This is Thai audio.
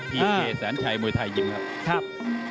พี่เอแสนชัยมวยไทยยิมครับ